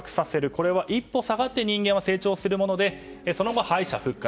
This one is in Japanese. これは一歩下がって人間は成長するものでその後、敗者復活。